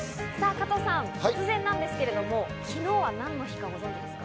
加藤さん、突然なんですけれども昨日は何の日かご存じですか？